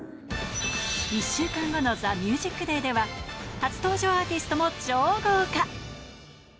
１週間後のＴＨＥＭＵＳＩＣＤＡＹでは初登場アーティストも超豪華。